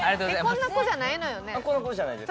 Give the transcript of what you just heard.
こんな子じゃないです。